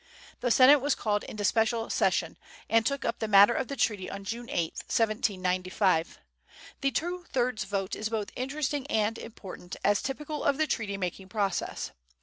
The Senate was called into special session, and took up the matter of the treaty on June 8, 1795. The two thirds vote is both interesting and important as typical of the treaty making process.